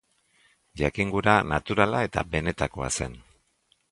Jakingura naturala eta benetakoa zen.